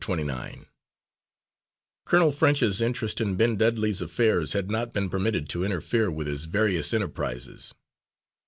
Twenty nine Colonel French's interest in Ben Dudley's affairs had not been permitted to interfere with his various enterprises.